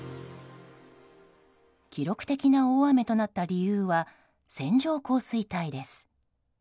記録的な大雨となった理由は線状降水帯です。